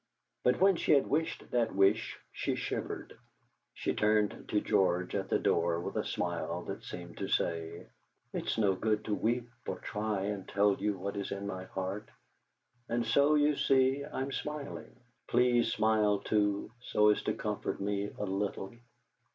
But when she had wished that wish she shivered. She turned to George at the door with a smile that seemed to say: '.t's no good to weep, or try and tell you what is in my heart, and so, you see, I'm smiling. Please smile, too, so as to comfort me a little.'